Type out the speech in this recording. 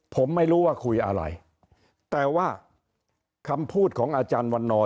ผมไม่รู้ว่าคุยอะไรแต่ว่าคำพูดของอาจารย์วันนอน